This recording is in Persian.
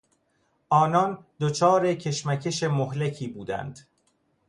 آنان دچار کشمکش مهلکی بودند.